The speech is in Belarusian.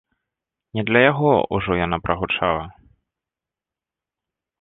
Не для яго ўжо яна прагучала.